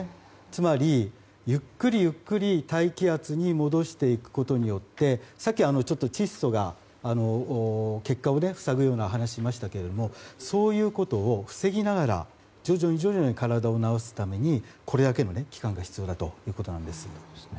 つまりゆっくりゆっくり大気圧に戻していくことによってさっき窒素が血管を塞ぐような話をしましたけどそういうことを防ぎながら徐々に徐々に体を治すためにこれだけの期間が必要だということです。